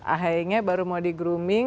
akhirnya baru mau di grooming